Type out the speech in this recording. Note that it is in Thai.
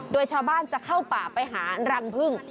โดยชาวบ้านจะเข้าป่าไปหารังพึ่ง